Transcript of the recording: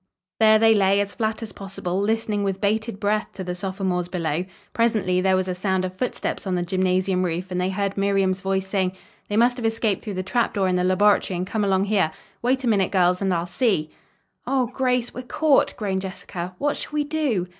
There they lay, as flat as possible, listening with bated breath to the sophomores below. Presently there was a sound of footsteps on the gymnasium roof and they heard Miriam's voice saying: "They must have escaped through the trap door in the laboratory and come along here. Wait a minute, girls, and I'll see." "O Grace, we're caught!" groaned Jessica. "What shall we do?"